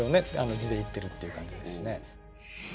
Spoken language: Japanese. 地でいってるっていう感じですしね。